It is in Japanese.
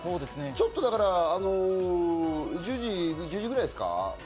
ちょっとだから１０時ぐらいですか？